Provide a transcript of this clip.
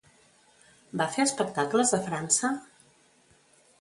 Va fer espectacles a França?